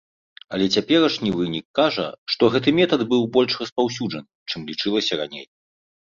Але цяперашні вынік кажа, што гэты метад быў больш распаўсюджаным, чым лічылася раней.